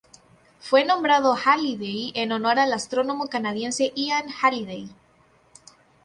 Fue nombrado Halliday en honor al astrónomo canadiense Ian Halliday.